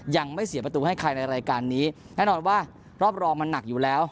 ยังไม่เสียประตูให้ใครในรายการนี้แน่นอนว่ารอบรองมันหนักอยู่แล้ว